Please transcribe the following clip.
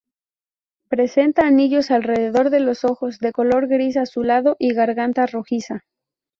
Presenta anillos alrededor de los ojos de color gris azulado y garganta rojiza.